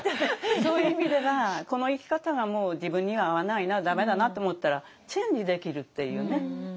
そういう意味ではこの生き方がもう自分には合わないな駄目だなって思ったらチェンジできるっていうね。